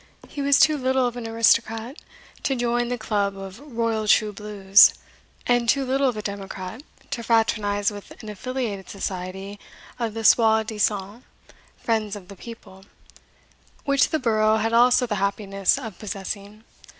He was too little of an aristocrat to join the club of Royal True Blues, and too little of a democrat to fraternise with an affiliated society of the soi disant Friends of the People, which the borough had also the happiness of possessing.